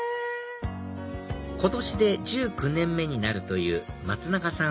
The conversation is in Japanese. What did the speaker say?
今年で１９年目になるという松永さん